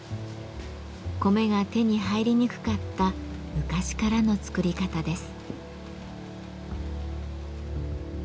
米が手に入りにくかった昔からの作り方です。